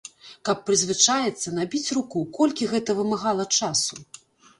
Каб прызвычаіцца, набіць руку, колькі гэта вымагала часу?!